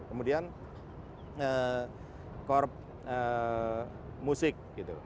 kemudian korp musik gitu